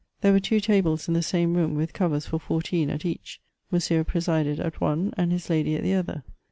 There were two tables in the same room, with covers for fourteen at each ; Monsieur presided at one, and his lady at the other.